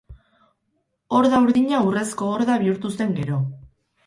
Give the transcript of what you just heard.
Horda Urdina Urrezko Horda bihurtu zen, gero.